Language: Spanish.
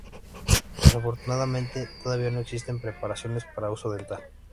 Desafortunadamente, todavía no existen preparaciones para uso dental.